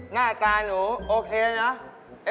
หน้าตาหนูโอเคเนอะ